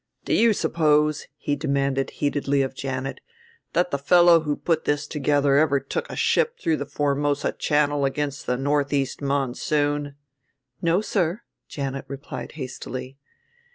Do you suppose," he demanded heatedly of Janet, "that the fellow who put this together ever took a ship through the Formosa Channel against the northeast monsoon?" "No, sir," Janet replied hastily.